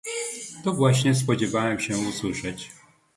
To właśnie spodziewałem się usłyszeć